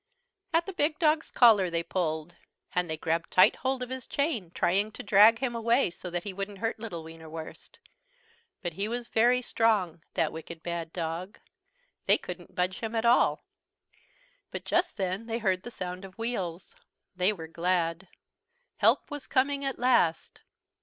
At the big dog's collar they pulled, and they grabbed tight hold of his chain, trying to drag him away so that he wouldn't hurt little Wienerwurst. But he was very strong, that wicked bad dog. They couldn't budge him at all. But just then they heard the sound of wheels. They were glad. Help was coming at last!